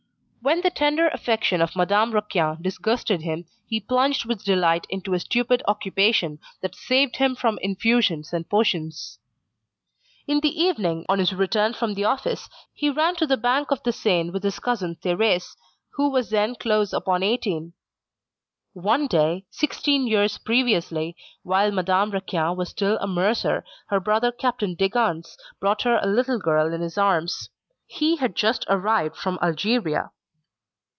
When the tender affection of Madame Raquin disgusted him, he plunged with delight into a stupid occupation that saved him from infusions and potions. In the evening, on his return from the office, he ran to the bank of the Seine with his cousin Thérèse who was then close upon eighteen. One day, sixteen years previously, while Madame Raquin was still a mercer, her brother Captain Degans brought her a little girl in his arms. He had just arrived from Algeria.